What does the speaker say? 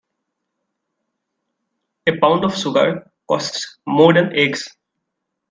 A pound of sugar costs more than eggs.